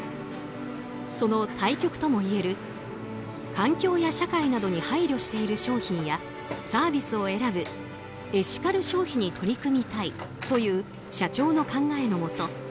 その対極ともいえる環境や社会などに配慮している商品やサービスを選ぶエシカル消費に取り組みたいという社長の考えのもと